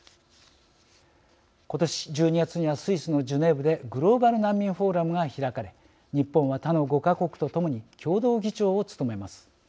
今年１２月にはスイスのジュネーブでグローバル難民フォーラムが開かれ日本は他の５か国と共に共同議長を務めます。